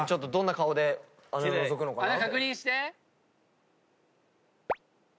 穴確認して。